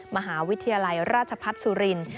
มหาวิทยาลัยราชพัฒน์สุรินทร์